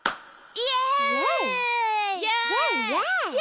イエイ！